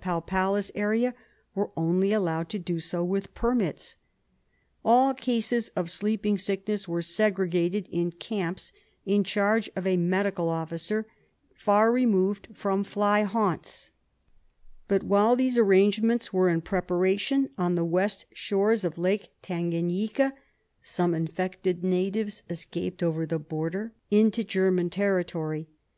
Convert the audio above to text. palpalis area were only allowed to do so with permits. All cases of sleeping sickness were segregated in camps in charge of a medical officer, far removed from fly haunts; but, while these arrangements were in preparation on the west shores of Lake Tanganyika, some infected natives escaped over the border into German territory.